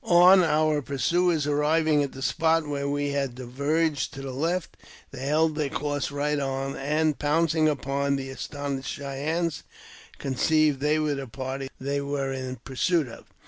On our pursuers arriving at the spot where we had diverged to the left, they held their course right on, and, pouncing upon the astonished Cheyennes, conceived they were the party they were in pursuit of.